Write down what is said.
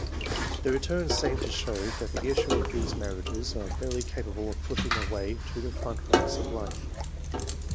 The returns seem to show that the issue, of these marriages are barely capable of pushing their way to the front ranks of life.